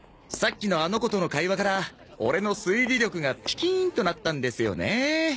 さっきのあの子との会話からオレの推理力がピキーンとなったんですよね。